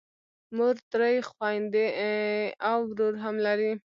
مور، درې خویندې او ورور هم لرم.